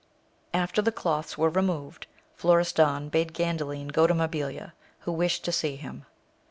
After the cloths were removed, Florestan bade Gandalin go to Mabilia, who wished to see him.